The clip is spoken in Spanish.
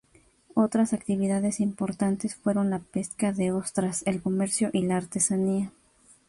Otras actividades importantes fueron la pesca de ostras, el comercio y la artesanía.